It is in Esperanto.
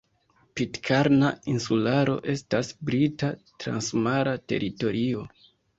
Pitkarna Insularo estas Brita transmara teritorio.